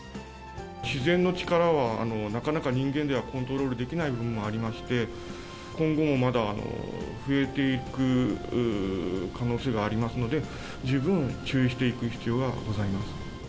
自然の力は、なかなか人間ではコントロールできない部分もありまして、今後もまだ、増えていく可能性がありますので、十分注意していく必要がございます。